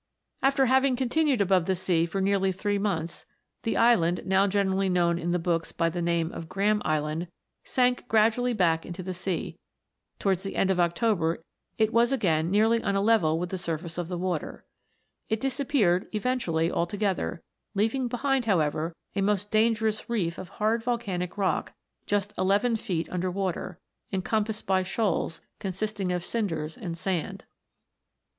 After having continued above the sea for nearly three months, the island, now generally known in the books by the name of " Graham Island" sank gradually back into the sea ; towards the end of October it was again nearly on a level with the sur face of the water ; it disappeared eventually alto gether, leaving behind, however, a most dangerous reef of hard volcanic rock, just eleven feet under water, encompassed by shoals, consisting of cinders and sand.